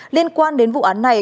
liên quan đến vụ án này